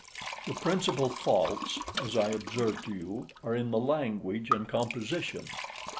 The principal faults, as I observed to you, are in the language and composition.